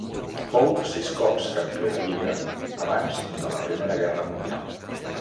Fou sis cops campió de lliga abans de la Primera Guerra Mundial.